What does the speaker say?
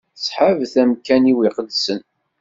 Tthabet amkan-iw iqedsen.